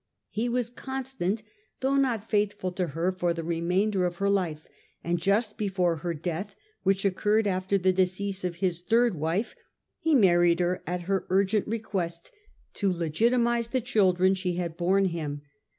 He was constant, though not faithful, to her for the remainder of her life, and just before her death, which occurred after the decease of his third wife, he married her at her urgent request, to legitimatise the children she had borne him.